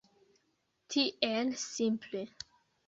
Tiel simple.